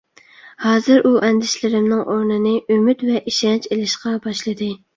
ھازىر ئۇ ئەندىشىلىرىمنىڭ ئورنىنى ئۈمىد ۋە ئىشەنچ ئېلىشقا باشلىدى.